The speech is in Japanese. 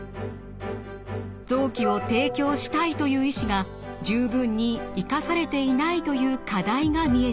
臓器を提供したいという意思が十分に生かされていないという課題が見えてきたのです。